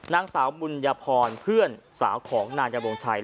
นางสาวบุญญพรเพื่อนสาวของนายวงชัย